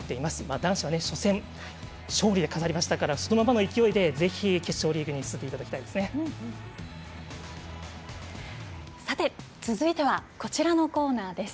男子は初戦、勝利で飾りましたからそのままの勢いでぜひ決勝リーグに進んでもらいたいです。